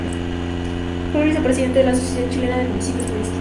Fue vicepresidente de la Asociación Chilena de Municipios turísticos.